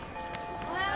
おはよう！